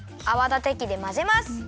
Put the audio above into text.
あわだてきでまぜます。